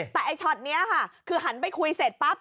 แต่ไอ้ช็อตนี้ค่ะคือหันไปคุยเสร็จปั๊บ